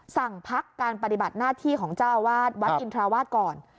สั่งพักการปฏิบัติหน้าที่ของเจ้าอาวาสวัดอินทราวาสก่อน